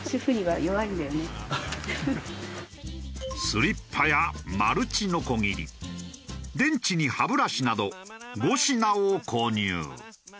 スリッパやマルチノコギリ電池に歯ブラシなど５品を購入。